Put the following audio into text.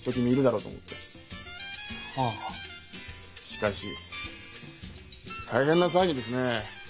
しかし大変な騒ぎですね。